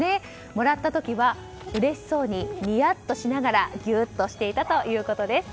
もらった時は嬉しそうにニヤッとしながらギュッとしていたということです。